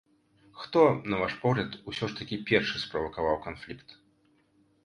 Хто, на ваш погляд, усё ж такі першы справакаваў канфлікт?